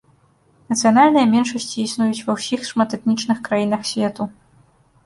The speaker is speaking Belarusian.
Нацыянальныя меншасці існуюць ва ўсіх шматэтнічных краінах свету.